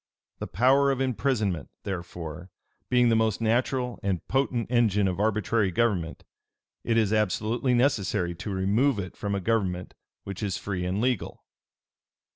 The power of imprisonment, therefore, being the most natural and potent engine of arbitrary government, it is absolutely necessary to remove it from a government which is free and legal.